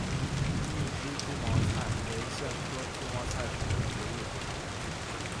密枝猪毛菜为苋科猪毛菜属的植物。